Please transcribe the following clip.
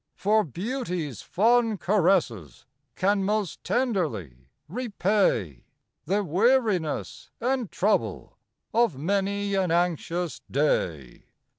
For beauty's fond caresses can most tenderly repay The weariness and trouble of many an anxious day.